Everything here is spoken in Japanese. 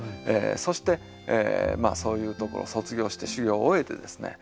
そしてそういうところを卒業して修業を終えてですね